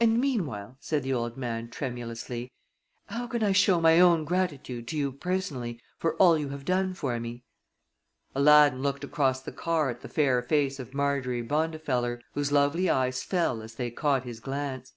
"And meanwhile," said the old man, tremulously, "how can I show my own gratitude to you personally for all you have done for me?" Aladdin looked across the car at the fair face of Marjorie Bondifeller, whose lovely eyes fell as they caught his glance.